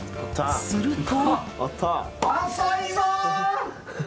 すると。